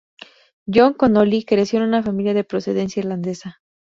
John Connolly creció en una familia de procedencia irlandesa.